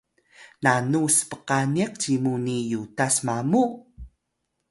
nanu spqaniq cimu ni yutas mamu?